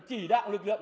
chỉ đạo lực lượng